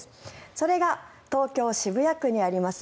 それが東京・渋谷区にあります